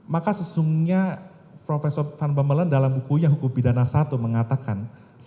maka sesungguhnya prof tan bambelen dalam bukunya hukum bidana i mengatakan